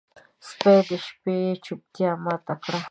سپي د شپې چوپتیا ماته کړه.